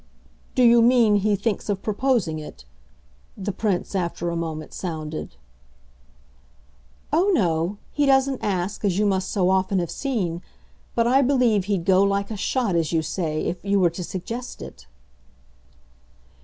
"Do you mean he thinks of proposing it?" the Prince after a moment sounded. "Oh no he doesn't ask, as you must so often have seen. But I believe he'd go 'like a shot,' as you say, if you were to suggest it."